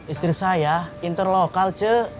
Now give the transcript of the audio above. istri saya interlokal cek